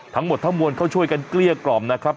ทั้งหมดทั้งมวลเขาช่วยกันเกลี้ยกล่อมนะครับ